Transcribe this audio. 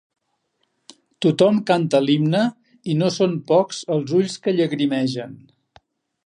Tothom canta l'himne i no són pocs els ulls que llagrimegen.